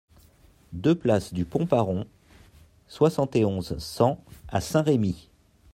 deux place du Pont-Paron, soixante et onze, cent à Saint-Rémy